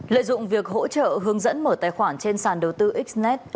lợi dụng việc hỗ trợ hướng dẫn mở tài khoản trên sàn đầu tư xnet